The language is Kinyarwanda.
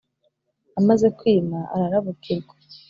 amaze kwima; ararabukirwa.